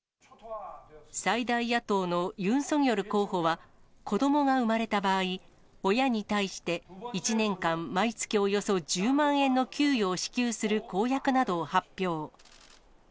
最大野党のユン・ソギョル候補は、子どもが産まれた場合、親に対して、１年間毎月およそ１０万円の給与を支給する公約などを発表。